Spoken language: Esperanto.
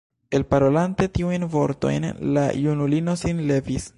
Elparolante tiujn vortojn, la junulino sin levis.